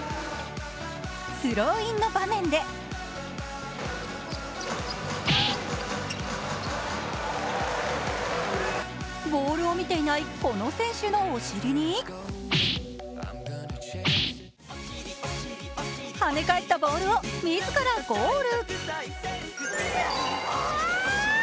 スローインの場面でボールを見ていない、この選手のお尻にはね返ったボールを自らゴール。